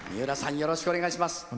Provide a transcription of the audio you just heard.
よろしくお願いします。